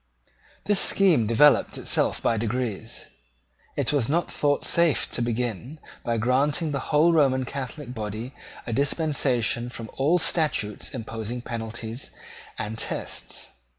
This scheme developed itself by degrees. It was not thought safe to begin by granting to the whole Roman Catholic body a dispensation from all statutes imposing penalties and tests.